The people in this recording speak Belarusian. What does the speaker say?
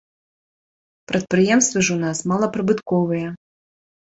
Прадпрыемствы ж у нас малапрыбытковыя.